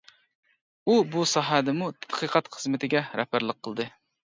ئۇ بۇ ساھەدىمۇ تەتقىقات خىزمىتىگە رەھبەرلىك قىلدى.